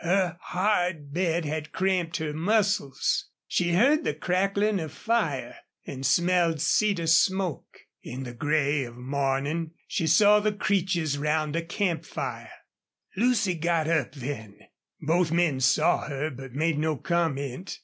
Her hard bed had cramped her muscles. She heard the crackling of fire and smelled cedar smoke. In the gray of morning she saw the Creeches round a camp fire. Lucy got up then. Both men saw her, but made no comment.